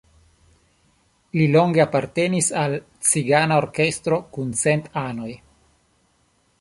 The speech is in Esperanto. Li longe apartenis al "Cigana Orkestro kun cent anoj".